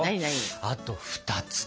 あと２つか。